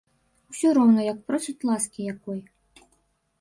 Усё роўна як просіць ласкі якой.